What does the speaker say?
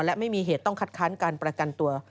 และไม่มีเหตุต้องคัดค้านการประกันตัว